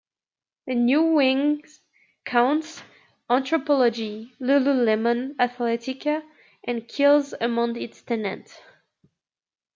The new wing counts Anthropologie, Lululemon Athletica, and Kiehl's among its tenants.